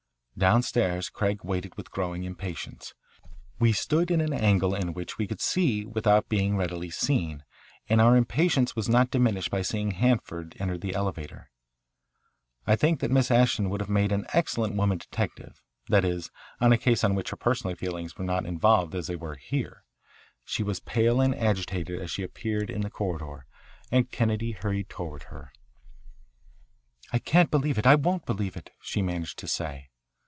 Downstairs Craig waited with growing impatience. We stood in an angle in which we could see without being readily seen, and our impatience was not diminished by seeing Hanford enter the elevator. I think that Miss Ashton would have made an excellent woman detective, that is, on a case in which her personal feelings were not involved as they were here. She was pale and agitated as she appeared in the corridor, and Kennedy hurried toward her. "I can't believe it. I won't believe it," she managed to say.